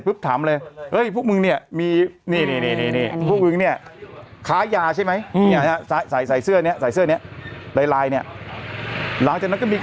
รถพี่อยู่นี่ใช่แค่นี่แหละปรากฏตำรวจคนนี้เนี่ย